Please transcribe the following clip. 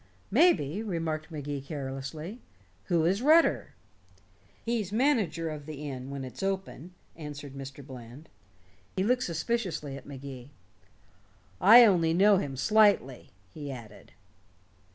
"Maybe," remarked Magee carelessly. "Who is Rutter?" "He's manager of the inn when it's open," answered Bland. He looked suspiciously at Magee. "I only know him slightly," he added.